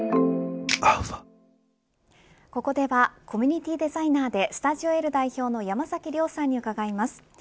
ここではコミュニティデザイナーでｓｔｕｄｉｏ‐Ｌ代表の山崎亮さんに伺います。